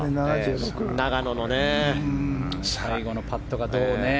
永野のね最後のパットがどうね。